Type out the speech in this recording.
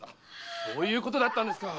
そういうことだったんですか！